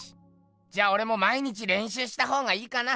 じゃあ俺も毎日れんしゅうしたほうがいいかな。